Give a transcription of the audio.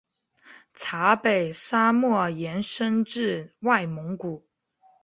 察北沙漠延伸至外蒙古。